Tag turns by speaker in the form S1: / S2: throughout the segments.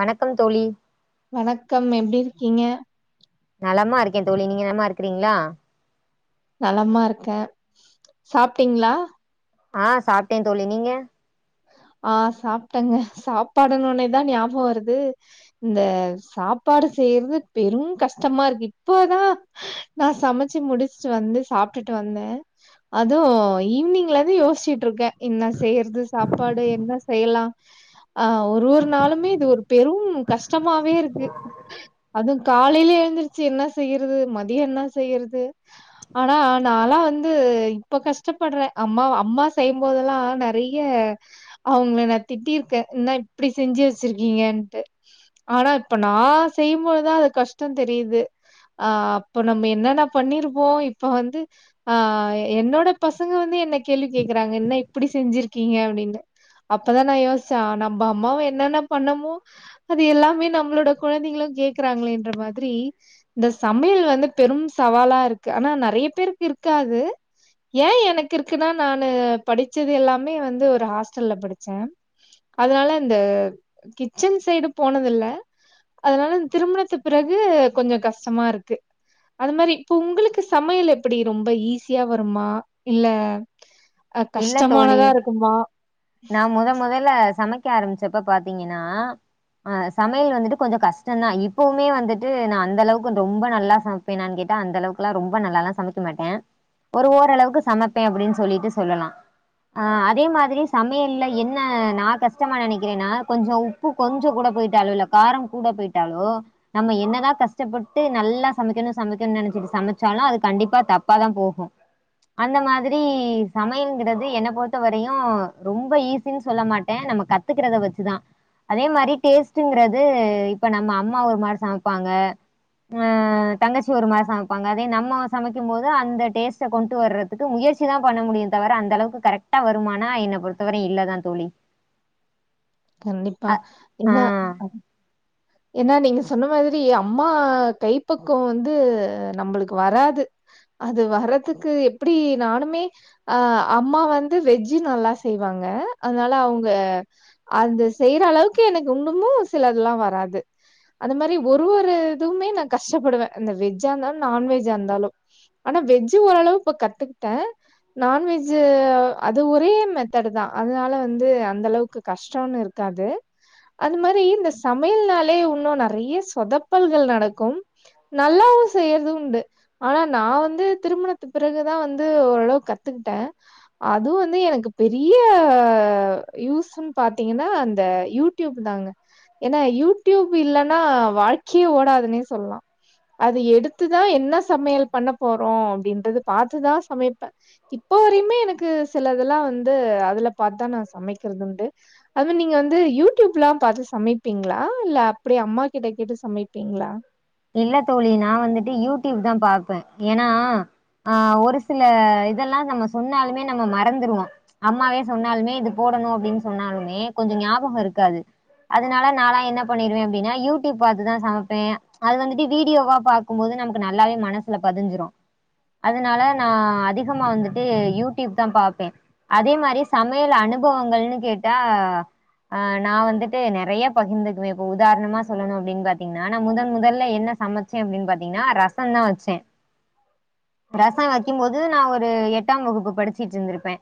S1: வணக்கம் தோழி
S2: வணக்கம் எப்படி இருக்கு இங்க
S1: நலமா இருக்க தோழி நீங்க என்னமா இருக்கிறீங்களா
S2: நலமா இருக்கே சாப்டிங்ளா
S1: ஆஹ் சாப்ட்டே தோழி நீங்க
S2: ஆஹ் சாப்டங்க சாப்பாடுனொனேதா ஞாபகொ வருது இந்த சாப்பாடு செய்றது பெரும் கஷ்டமா இருக்கு இப்போதா நா சமச்சி முடிச்ட்டு வந்து சாப்டுட்டு வந்தே அது ஈவினிங்லந்து யோசிச்சிட்ருக்கே இன்ன செய்றது சாப் சாப்பாடு என்ன செய்யலா ஆஹ் ஒரு ஒரு நாளுமே இது ஒரு பெரும் கஷ்டமாவே இருக்கு அது காலைல எழுந்திருச்சு என்ன செய்யறது மதியம் என்ன செய்யறது ஆனா நாலா வந்து இப்ப கஷ்டப்படுறே அம்மா அம்மா செய்யும்போதெல்லா நெறைய்ய அவங்கள நா திட்டிருக்கே என்ன இப்டி செஞ்சு வச்சிருக்கீங்கன்ட்டு ஆனா இப்ப நா செய்யும்போதுதா அது கஷ்டொ தெரியிது ஆஹ் அப்போ நம்ம என்னன்ன பண்ணிருப்போ இப்ப வந்து ஆஹ் என்னோட பசங்க வந்து என்ன கேள்வி கேக்குறாங்க என்ன இப்டி செஞ்சிருக்கீங்க அப்டின்னு அப்பதா நா யோஸ்ச்ச நம்ம அம்மாவ என்னென்ன பண்ணமோ அது எல்லாமே நம்மளோட குழந்தைகளு கேக்குறாங்களேன்ற மாதிரி இந்த சமையல் வந்து பெரும் சவாலா இருக்கு ஆனா நெறைய பேருக்கு இருக்காது ஏ எனக்கு இருக்குனா நானு படிச்சது எல்லாமே வந்து ஒரு ஆஸ் சல்ல படிச்சே அதனால இந்த கிச்சன் சைடு போனதில்ல அதனால திருமணத்து பிறகு கொஞ்சொ கஷ்டமா இருக்கு அது மாரி இப்பொ உங்களுக்கு சமையல் எப்படி ரொம்ப ஈஸியா வருமா இல்ல அ
S1: இல்ல தோழி
S2: கஷ்டமானதா இருக்குமா
S1: நா முத முதல சமைக்க ஆரம்பிச்சப்ப பாத்திங்கனா அ சமையல் வந்துட்டு கொஞ்சொ கஷ்டொந்தா இப்பவுமே வந்துட்டு நா அந்தளவுக்கு ரொம்ப நல்லா சமைப்பேனானு கேட்டா அந்த அளவுக்லா ரொம்ப நல்லாலா சமைக்க மாட்டே ஒரு ஓரளவுக்கு சமைப்பே அப்டின்னு சொல்லிட்டு சொல்லலா ஆஹ் அதே மாதிரி சமையல்ல என்ன நா கஷ்டமா நெனைக்கிறேனா கொஞ்சொ உப்பு கொஞ்சொ கூட பொயிட்டாலோ இல்ல காரம் கூட பொயிட்டாலோ நம்ம என்னதா கஷ்டப்பட்டு நல்லா சமைக்கணு சமைக்கணுனா நெனைச்சிட்டு சமைச்சாலு அது கண்டிப்பா தப்பாதா போகு அந்த மாதிரி சமையங்கிறது என்ன பொறுத்தவரையு ரொம்ப ஈசினு சொல்ல மாட்டே நம்ம கத்துக்கிறத வச்சுதா அதே மாரி டேஸ்ட்டுங்றது இப்ப நம்ம அம்மா ஒரு மாரி சமைப்பாங்க ஆ தங்கச்சி ஒரு மாரி சமைப்பாங்க அதே நம்ம சமைக்கும் போது அந்த டேஸ்ட்ட கொண்டு வர்றதுக்கு முயற்சி தா பண்ண முடியு தவர அந்த அளவுக்கு கரெக்ட்டா வருமானா என்ன பொறுத்தவரை இல்லதா தோழி
S2: கண்டிப்பா
S1: அ
S2: என்ன
S1: ஆ.
S2: ஏன்னா நீங்க சொன்ன மாதிரி அம்மா கைப்பக்கொ வந்து நம்மளுக்கு வராது அது வர்றதுக்கு எப்படி நானுமே அஹ் அம்மா வந்து வெஜ்ஜு நல்லா செய்வாங்க அதனால அவங்க அது செய்ற அளவுக்கு எனக்கு இன்னுமு சிலத்ல்லா வராது அது மாரி ஒரு ஒரு இதுவுமே நான் கஷ்டப்படுவே அந்த வெஜ்ஜா இருந்தாலு நான்வெஜ்ஜா இருந்தாலு ஆனா வெஜ்ஜு ஓரளவு இப்ப கத்துக்கிட்டே நான்வெஜ்ஜு அது ஒரே மெத்தடு தா அதனால வந்து அந்த அளவுக்கு கஷ்டொன்னு இருக்காது அது மாரி இந்த சமையல்னால் லே உன்னு நெறைய்யா சொதப்பல்கள் நடக்கும் நல்லாவு செய்யற்து உண்டு ஆனா நா வந்து திருமணத்து பிறகுதா வந்து ஓரளவு கத்துக்கிட்டே அதுவு வந்து எனக்கு பெரிய யூஸ்ஸுன் பாத்திங்கனா அந்த யூடியூப் தாங்க ஏனா யூட் டியூப் இல்லனா வாழ்க்கியே ஓடாதுனே சொல்லலா அது எடுத்துதா என்ன சமையல் பண்ண போறோ அப்டின்றது பாத்துதா சமைப்பே இப்போ வரையுமே எனக்கு சிலதெல்லா வந்து அதுல பாத்துதா நா சமைக்கிறதுண்டு அதுவ் நீங்க வந்து யூடியூப்லா பாத்து சமைப்பிங்ளா இல்ல அப்டி அம்மா கிட்ட கேட்டு சமைப்பிங்ளா
S1: இல்ல தோழி நா வந்துட்டு யூடியூப் தா பாப்பே ஏனா ஆஹ் ஒரு சில இதெல்லா நம்ம சொன்னாலுமே நம்ம மறந்துருவோ அம்மாவே சொன்னால்மே இது போடணு அப்டின் சொன்னாலுமே கொஞ்சொ ஞாபகொ இருக்காது அதனால நாலா என்ன பண்ணிருவே அப்டின்னா யூடியூப் பாத்துதா சமைப்பே அது வந்துட்டு வீடியோவா பாக்கும்போது நமக்கு நல்லாவே மனசுல பதிஞ்சிரு அதனால நா அதிகமா வந்துட்டு யூடியூப் தா பாப்பே அதே மாரி சமையல் அனுபவங்கள்னு கேட்டா ஆஹ் நா வந்துட்டு நெறையா பகிந்துக்குவே இப்போ உதாரணமா சொல்லணு அப்டின் பாத்திங்னா நா முதன் முதல் ல என்ன சமைச்சே அப்டின் பாத்திங்னா ரசந்தா வச்சே ரசொ வைக்கும்போது நா ஒரு எட்டாம் வகுப்பு படிச்சிட்ருந்துருப்பே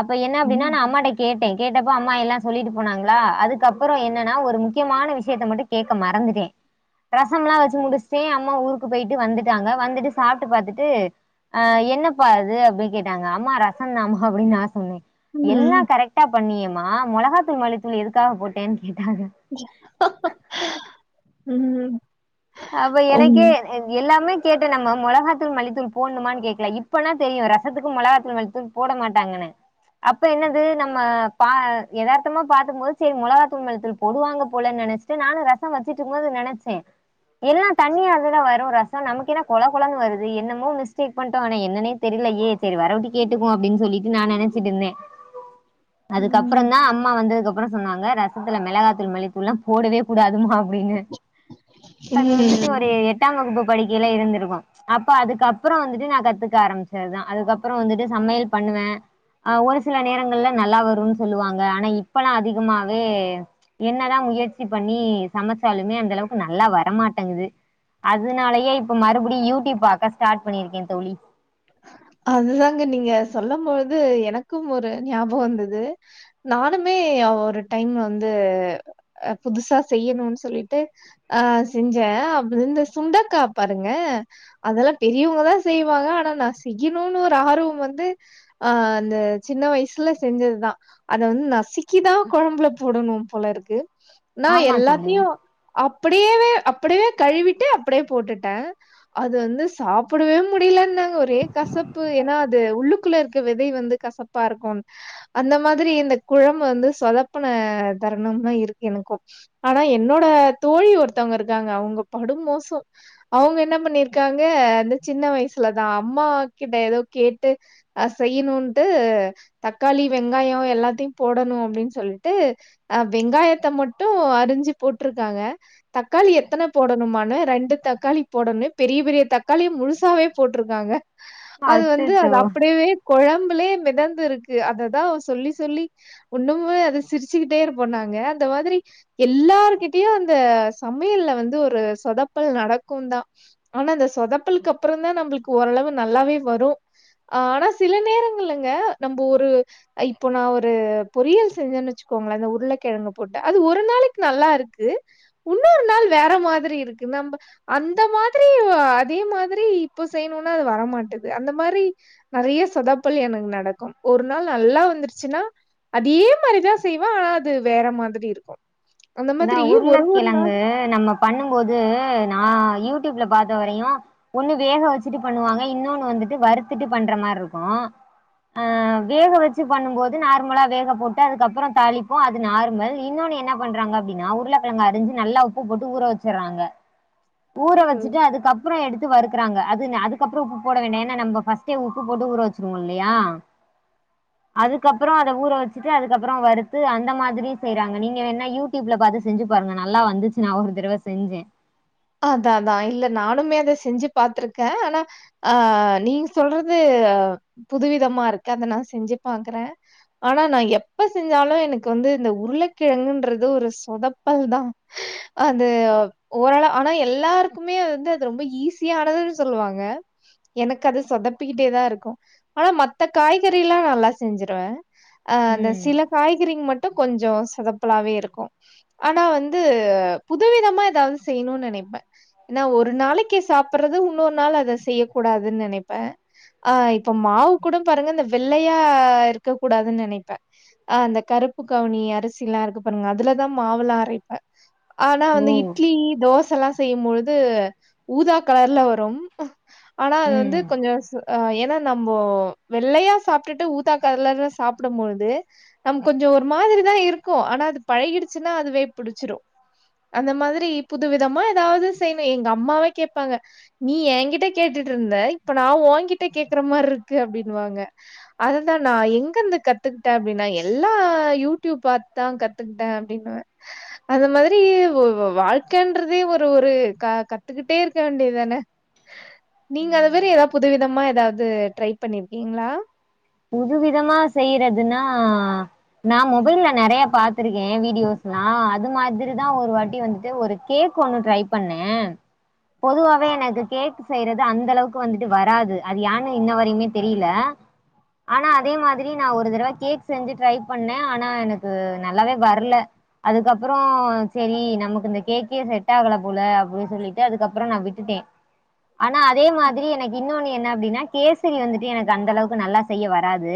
S1: அப்ப என்ன அப்டினா
S2: ம்
S1: நா அம்மாட்ட கேட்டே கேட்டப் பொ அம்மா எல்லா சொல்லிட்டு போனாங்ளா அதுக்கப்பறொ என்னனா ஒரு முக்கியமான விஷயத்த மட்டு கேட்க மறந்துட்டே ரச ரசம்லா வச்சி முடிச்டே அம்மா ஊருக்கு பொயிட்டு வந்துட்டாங்க வந்துட்டு சாப்ட்டு பாத்துட்டு ஆஹ் என்னப்பா இது அப்டின் கேட்டாங்க அம்மா ரசந்தாமா அப்டின் நா சொன்னே
S2: ம்
S1: எல்லா கரெக்ட்டா பண்ணியேம் மா மொளகாத்தூள் மல்லித்தூள் எதுக்காக போட்டேன் கேட்
S2: [inaudible] உம்
S1: அப்ப எனக்கே அன் எல்லாமே கேட்டனெமா மொளகாத்தூள் மல்லித்தூள் போட்ணுமானு கேக்ல இப்பனா தெரியு ரசத்துக்கு மொளகாத்தூள் மல்லித்தூள் போட மாட்டாங்கனு அப்ப என்னது நம்ம பா யதார்த்தமா பாத்தும் போது சேரி மொளகாத்தூள் மல்லித்தூள் போடுவாங்க போலன்னு நெனச்ட்டு நானு ரசொ வச்சிட்ருக்கும் போது நெனச்சே எல்லா தண்ணியா தான வரு ரசொ நமக்கு என்னா கொல கொலனு வருது என்னமோ மிஸ்டேக் பண்ட்டோ ஆனா என்னனே தெரிலையே செரி வரவ்ட்டி கேட்டுக்குவொ அப்படின் சொல்லிட்டு நா நெனைச்சிட்டுந்தே
S2: ம் ம்
S1: அதுக்கப்றொந்தா அம்மா வந்ததுக்கப் அப்பறொ சொன்னாங்க ரசத்துல மெளகாத்தூள் மலித்தூள்லா போடவே கூடாதுமா அப்டின்னு அது வந்துட்டு ஒரு எட்டாம் வகுப்பு படிக்கையில இருந்திருக்கு அப்ப அதுக்கப்றொ வந்துட்டு நா கத்துக்க ஆரம்பிச்சதுதா அதுக்கப்பறொ வந்துட்டு சமையல் பண்ணுவே அஹ் ஒரு சில நேரங்கள்ல நல்லா வரூனு சொல்லுவாங்க ஆனா இப்பல்லா அதிகமாவே என்னதா முயற்சி பண்ணி சமச்சாலுமே அந்தளவுக்கு நல்லா வர ரமாட்டேங்குது அதுனாலயே இப்ப மறுபடியு யூடியூப் பாக்க ஸ்டார்ட் பண்ணிருக்கே தோழி
S2: அதுதாங்க நீங்க சொல்லம்பொழுது எனக்கும் ஒரு ஞாபகொந்தது நானுமே ஒரு டைம்ல வந்து புதுசா செய்யணுன் சொல்லிட்டு ஆஹ் செஞ்சே அப்ப இந்த சுண்டக்கா பாருங்க அதெல்லா பெரியவங்கதா செய்வாங்க ஆனா நா செ செய்யணூனு ஒரு ஆர்வம் வந்து அஹ் அந்த சின்ன வயசுல செஞ்சதுதா அத வந்து நசிக்கிதா கொழம்புல போடணு போல இருக்கு நா
S1: ஆமா தோழி
S2: எல்லாத்தையு அப் அப்டியேவே அப்டியேவே கழுவிட்டு அப்டியே போட்டுட்டே அது வந்து சாப்புடவே முடியலனாங்க ஒரே கசப்பு ஏன்னா அது உள்ளுக்குள்ள இருக்க விதை வந்து கசப்பாருக்குன் அந்த மாதிரி இந்த குழம்பு வந்து சொதப்ன தருணம்லா இருக்கு எனக்கும் ஆனா என்னோட தோழி ஒருத்தவங்க இருக்காங்க அவங்க படும் மோசோ அவங்க என்ன பண்ணிருக்காங்க அந்த சின்ன வயசுலதா அம்மா கிட்ட எதோ கேட்டு ஆ செய்யணுன்ட்டு தக்காளி வெங்காய எல்லாத்தையு போடணு அப்டின்னு சொல்லிட்டு ஆ வெங்காயத்த மட்டு அறிஞ்சு போட்ருக்காங்க தக்காளி எத்தன போடணும்மான்னு ரெண்டு தக்காளி போடன்னு பெரிய பெரிய தக்காளிய முழுசாவே போட்டுருக்காங்க அது வந்து அது
S1: அச்சச்சோ
S2: அப்டியவே கொழம்புலே மிதந்துருக்கு அததா சொல்லி சொல்லி ஒன்னுவுமே அது சிரிச்சுக்கிட்டேருப்போ நாங்க அந்த மாதிரி எல்லார்கிட்டியு அந்த சமையல்ல வந்து ஒரு சொதப்பல் நடக்கு தா ஆனா அந்த சொதப்பலக்கப்ற தா நம்புளுக்கு ஓரளவுக்கு நல்லாவே வரு ஆனா சில நேரங்கள்லங்க நம்ப ஒரு இப்ப நா ஒரு பொரியல் செஞ்சோன்னு வச்சுக்கோங்களே உருளைக்கிழங்கு போட்டு அது ஒரு நாளைக்கு நல்லாருக்கு உன்னொரு நாள் வேற மாதிரி இருக்கு நம்ப அந்த மாதிரி அதே மாதிரி இப்ப செய்யணுன்னா அது வர மாட் மாட்டுது அந்த மாரி நெறையா சொதாப்பல் எனக்கு நடக்கும் ஒரு நாள் நல்லா வந்துருச்சுன்னா அதே மாதிரிதா செய்வே ஆனா அது வேற மாதிரி இருக்கு அந்த
S1: நா
S2: மாதிரி ஒரு ஒரு
S1: உருளக்கிழங்கு நம்ம பண்ணும்போது நா யூட் டியூப்ல பாத்தவரையு ஒன்னுது வேக வச்சுட்டு பண்ணுவாங்க இன்னொன்னு வந்துட்டு வறுத்துட்டு பண்ற மாரி இருக்கு ஆ வேக வச்சு பண்ணும்போது நார்மலா வேக போட்டு அதுக்கப்பற தாளிப்போ அது நார்மல் இன்னொன்னு என்ன பண்றாங்க அப்டின்னா உருளக்கெழங்கு அறிஞ்சி நல்லா உப்பு போட்டு ஊற வச்சிட்றாங்க ஊற
S2: ம்
S1: வச்சுட்டு அதுக்கப்புற எடுத்து வறுத் துறாங்க அதுக்கப்புற உப்பு போட வேண்டா ஏன்னா நம்ம ஃபஸ்ட்டே உப்பு போட்டு ஊற வச்சுருவோயில்லியா அதுக்கப்பற அத ஊற வச்சிட்டு அதுக்கப்பற அத வறுத்து அந்த மாதிரி செய்றாங்க நீங்க வேணா யூ டியூப்ல பாத்து செஞ்சு பாருங்க நல்லா வந்துச்சு நா ஒரு தடவ செஞ்சே
S2: அதா அதா இல்ல நானுமே அத செஞ்சு பாத்தருக்கே ஆனா ஆ நீங்க சொல்றது புதுவிதமா இருக்கு அத நா செஞ்சு பாக்குறே ஆனா நா எப்ப செஞ்சாலு எனக்கு வந்து இந்த உருளைக்கிழங்குன்றது ஒரு சொதப்பல் தா அது ஓரள ஆனா எல்லாருக்குமே அது வந்து அது ரொம்ப ஈஸியானதுன்னு சொல்லுவாங்க எனக்கு அது சொதப்பிக்கிட்டே தா இருக்கு ஆனா மத்த காய்கறிலா நல்லா செஞ்சிருவே ஆ அந்த
S1: ம்
S2: சில காய்கறிங்க மட் ட்டும் கொஞ்சோ சொதப்பலாவே இருக்கு ஆனா வந்து புதுவிதமா எதாவது செய்யணுன்னு நெனப் ப்பே ஏன்னா ஒரு நாளைக்கி சாப்பிட்றது இன்னொரு நாள் அத செய்யக்கூடாதுன்னு நெனைப்பே ஆ இப்ப மாவு கூட பாருங்க இந்த வெள்ளையா இருக்க கூடாதுன்னு நெனைப்பே ஆ அந்த கருப்பு கவுனி அரிசிலா இருக்கு பாருங்க அதுலதா மாவுலா அரைப்பே ஆனா
S1: ஓ
S2: வந்து இட்லி தோச செல்லா செய்யும்பொழுது ஊதா கலர்ல வரு ஆனா அது வந்து
S1: ம்
S2: கொஞ்சோ சொ ஆ ஏன்னா நம்போ வெள்ளையா சாப்ட்டுட்டு ஊத்தா காலர்ல சாப்புடும்பொழுது நம்ம கொஞ்சோ ஒரு மாதிரிதா இருக்கு ஆனா அது பழகிடுச்சுன்னா அதுவே புடிச்சிடும அந்த மாதிரி புது வித தமா எதாவது செய்ணு எங்க அம்மாவே கேட்பாங்க நீ என்கிட்ட கேட்டுட்டு இருந்த இப்ப நா உங்கிட்ட கேக்குற மாரிருக்கு அப்டின்னுவாங்க அததா நா எங்கருந்து கத்துக்கிட்ட அப்டின்னா எல்லா யூடியூப் பாத்து தா கத்துக்கிட்டே அப்டின்னுவே அத மாதிரி வ வ வாழ்க்கன் றதே ஒரு ஒரு கத்துக்கிட்டே இருக்க வேண்டியதுதானே நீங்க
S1: ம்
S2: அதமேரி எதாவது புதுவிதமா எதாவது ட்ரை பண்ணிருக்கீங்களா
S1: புது விதமா செய்யறதுன்னா நா மொபைல்ல நெறைய பாத்திருக்கே வீடியோஸ்லா அது மாதிரிதா ஒரு வாட்டி வந்துட்டு ஒரு கேக் ஒன்னு ட்ரை பண்ணே பொதுவாவே எனக்கு கேக் செய்யறது அந்தளவுக்கு வந்துட்டு வராது அது யான்னு இன்ன வரையுமே தெரியல ஆனா அதே மாதிரி நா ஒரு தடவ கேக் செஞ்சு ட்ரை பண்ணே ஆனா எனக்கு நல்லாவே வரல அதுக்கப்பறோ செரி நமக்கு இந்த கேக்கே செட் ஆகல போல அப்டின்னு சொல்லிட்டு அதுக்கப்பற நா விட்டுட்டே ஆனா அதே மாதிரி எனக்கு இன்னொன்னு என்ன அப்டின்னா கேசரி வந்துட்டு எனக்கு அந்தளவுக்கு நல்லா செய்ய வராது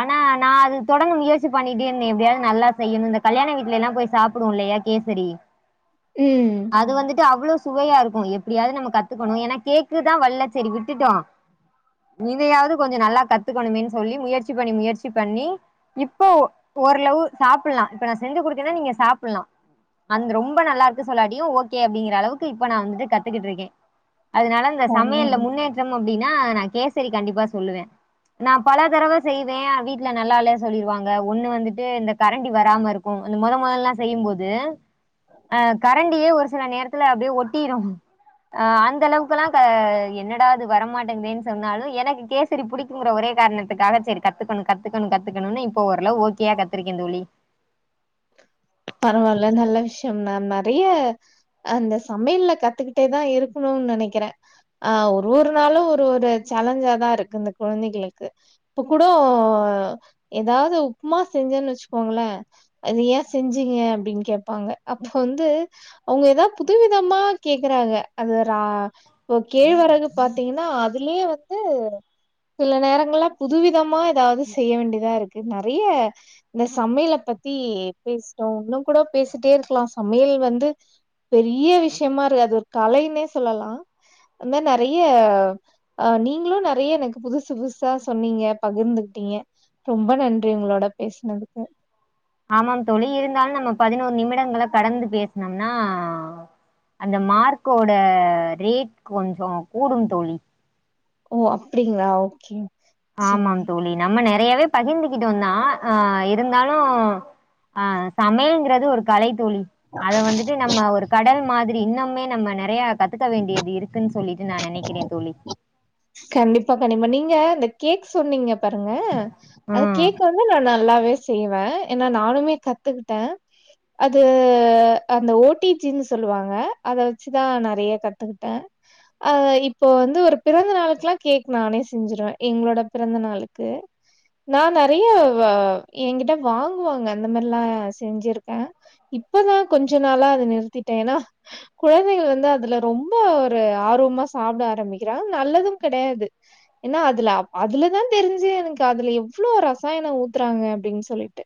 S1: ஆனா நா அது தொடர்ந்து முயற்சி பண்ணிட்டே இருந்தே எப்டியாவது நல்லா செய்யணு இந்த கல்யாண வீட்டுலயெல்லா போய் சாப்புடுவோ இல்லையா கேசரி
S2: ம்
S1: அது வந்துட்டு அவ்ளோ சுவையாருக்கு எப்டியாவது நம்ம கத்துக்கணு ஏன்னா கேக்கு தா வர்ல செரி விட்டுட்டோ இதையாவது கொஞ்ச நல்லா கத்துக்கணுமேன்னு சொல்லி முயற்சி பண்ணி முயற்சி பண்ணி இப்போ ஓரளவு சாப்பிட்லா இப்ப நா செஞ்சுக்குடுக்கேன்னா நீங்க சாப்பிட்லா அந்த ரொம்ப நல்லாருக்கு சொல்லாட்டியு ஓகே அப்டிங்கிற அளவுக்கு இப்ப நா வந்துட்டு கத்துக்கிட்டுருக்கே அதனால இந்த
S2: பரவா
S1: சமையல்ல முன்னேற்றம் அப் ப்படின்னா நா கேசரி கண்டிப்பா சொல்லுவே நா பல தரவ செய்வே வீட்டுல நல்லால்ல சொல்லிருவாங்க ஒன்னு வந்துட்டு இந்த கரண்டி வராமருக்கு அந்த மொத மொதல்லா செய்யும்போது ஆ கரண்டியே ஒரு சில நேரத்துல அப்டியே ஒட்டிரு ஆ அந்தளவுக்கெல்லா க என்னடா வரமாட்டேங்கதேன்னு சொன்னாலு எனக்கு கேசரி புடிக் தூங்குற ஒரே கார்ணத்துக்காக செரி கத்துக்கணு கத்துக்கணு கத்துக்கணுனு இப்ப ஓரளவு ஓகையா கத்துருக்கே தோழி
S2: பரவால்ல நல்ல விஷ்யந்தா நெறைய அந்த சமையல்ல கத்துக்கிட்டே தா இருக்கணுன் நெனைக்கிறே ஆஹ் ஒரு ஒரு நாளு ஒரு ஒரு சேலஞ்சாதா இருக்கு இந்த கொழந்தைகளுக்கு இப்ப கூட எதாவ்து உப்மா செஞ்சேன்னு வச்சுக்கோங்ளே அது வேஸ் செஞ்சுங்க அப்டின் கேப்பாங்க அப்ப வந்து அவ்ங்க எதாவ் புதுவிதமா கேக்குறாங்க அது ஒரு ஆஹ் ஓ கேழ்வெரகு பாத்தீங்கனா அதுலே வந்து சில நேரங்கள்லா புதுவிதமா எதாவ்து செய்ய வேண்டியதா இருக்கு நெறைய இந்த சமையல பத்தி பேசிட்டோ இன்னு கூட பேசிட்டே இருக்லா சமையல் வந்து பெரிய விஷ்யமாரி அது தலைன்னு சொல்லலா இன்ன நெறைய அஹ் நீங்களு நெறைய எனக்கு புதுசு புதுசா சொன்னீங்க பகிர்ந்துகிட்டீங்க ரொம்ப நன்றி உங்களோட பேசுனதுக்கு
S1: ஆமாங் தோழி இருந்தாலு நம்ம பதினோரு நிமிடங்கள கடந்து பேசுனம்னா அந்த மார்க்கோட ரேட் கொஞ்ச கூடும் தோழி
S2: ஓ அப்டிங்ளா ஓகே
S1: ஆமாங்
S2: சேரி
S1: தோழி நம்ம நேர் நெறையாவே பகிர்ந்துக்கிட்டு வந்தா ஆஹ் இருந்தாலு ஆஹ் சமையல்ங்கிறது ஒரு கலை தோழி அத வந்துட்டு நம்ம ஒரு கடல் மாதிரி இன்னம்மே நம்ம நெறையா கத் துக்க வேண்டியது இருக்குன் சொல்லிட் நா நெனைக்குறே தோழி
S2: கண்டிப்பா கண்டிப்பா நீங்க அந்த கேக் சொன்னீங்கள பாருங்க அது
S1: ம்
S2: கேக்கு வந்து நல்லால்ல வேஸ்ட் சொல்லுவே ஏனா நானுமே கத்துக்கிட்டே அது அஹ் அந்த ஓ டி பி னு சொல்லுவாங்க அத வச்சுதா நெறையா கத்துக்கிட்டே ஆஹ் இப்ப வந்து ஒரு பிறந் ந்த நாளைக்லா கேக் நானே செஞ்சிருவே எங்களோட பிறந்த நாளுக்கு நா நெறைய வ எங்கிட்ட வாங்குவாங்க அந்த மாரிலா செஞ்சிருக்கே இப்பதா கொஞ்ச நாளா அத நிறுத்திட்டே ஏனா கொழந்தைக வந்து அதுல ரொம்ப ஒரு ஆர்வமா சாப்ட ஆரம்பிக்கிறாங்க நல்லது கெடையாது ஏனா அதுல அதுலதா தெரிஞ்சு எனக்கு அதுல எவ்ளோ ரசாயன ஊத்துறாங்க அப்டின் சொல்லிட்டு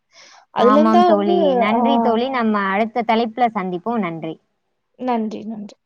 S1: ஆமாங்
S2: அதுலருந்தான் வந்து
S1: தோழி
S2: ஆ
S1: நன்றி தோழி நம்ம அடுத் ந்த தலைப்புல சந்திப்போ நன்றி
S2: நன்றி நன்றி